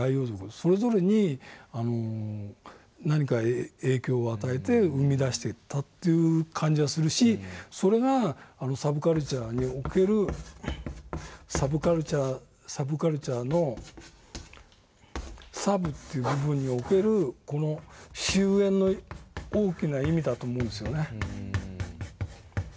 それぞれに何か影響を与えて生み出していった感じはするしそれがサブカルチャーにおけるサブカルチャーの「サブ」という部分における周縁の大きな意味だと思うんですよね。